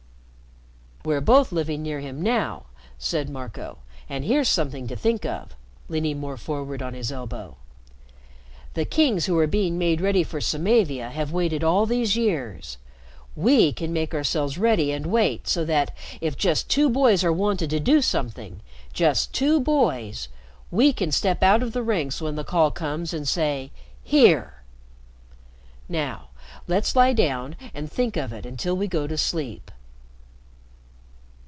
"We're both living near him now," said Marco. "And here's something to think of," leaning more forward on his elbow. "The kings who were being made ready for Samavia have waited all these years; We can make ourselves ready and wait so that, if just two boys are wanted to do something just two boys we can step out of the ranks when the call comes and say 'Here!' Now let's lie down and think of it until we go to sleep."